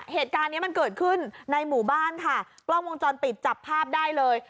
เหตุการณ์เนี้ยมันเกิดขึ้นในหมู่บ้านค่ะกล้องวงจรปิดจับภาพได้เลย